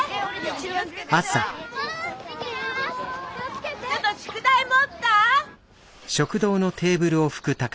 ちょっと宿題持った？